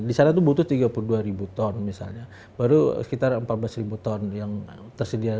di sana itu butuh tiga puluh dua ribu ton misalnya baru sekitar empat belas ribu ton yang tersedia